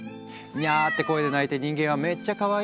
にゃって声で泣いて人間は「めっちゃかわいい。